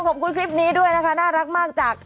ขอบคุณคลิปนี้ด้วยนะคะน่ารักมากจาก